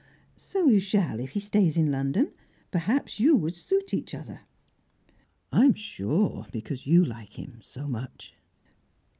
"So you shall, if he stays in London. Perhaps you would suit each other." "I'm sure, because you like him so much."